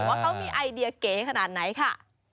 ว่าเขามีไอเดียเก๋ขนาดไหนค่ะ